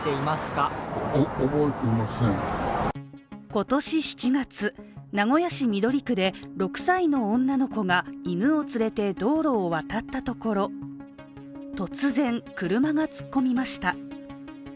今年７月、名古屋市緑区で６歳の女の子が犬を連れて道路を渡ったところ突然、車が突っ込みました。